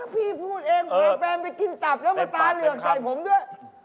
พี่พูดเองพาแฟนไปกินตับแล้วมาตาเหลือกใส่ผมด้วย